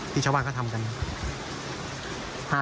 พี่ทำยังไงฮะ